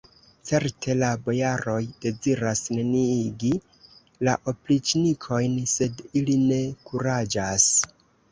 Certe, la bojaroj deziras neniigi la opriĉnikojn, sed ili ne kuraĝas!